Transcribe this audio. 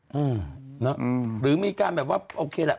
หมมหาหรือมีการแบบว่าโอเคแหละ